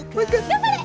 頑張れ！